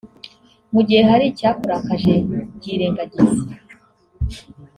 Mu gihe hari icyakurakaje byirengagize